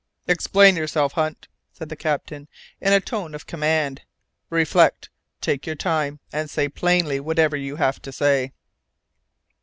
"Explain yourself, Hunt," said the captain, in a tone of command. "Reflect, take your time, and say plainly whatever you have to say."